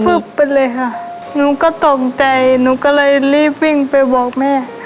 มันมืดฟึบไปเลยค่ะหนูก็ต้องใจหนูก็เลยรีบวิ่งไปบอกแม่